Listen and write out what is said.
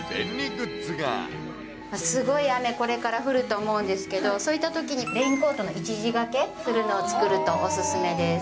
すごい雨、これから降ると思うんですけど、そういったときにレインコートの一時掛けするのを作るとお勧めです。